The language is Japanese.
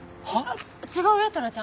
違うよトラちゃん。